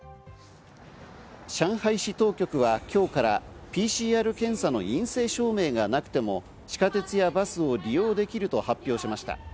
上海市当局は今日からＰＣＲ検査の陰性証明がなくても地下鉄やバスを利用できると発表しました。